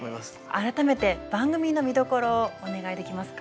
改めて番組の見どころをお願いできますか？